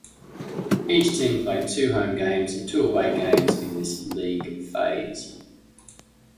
Each team played two home games and two away games in this league phase.